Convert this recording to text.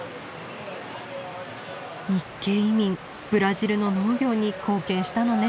日系移民ブラジルの農業に貢献したのね。